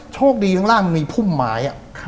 โชคดีข้างล่างมันมีพุ่มไม้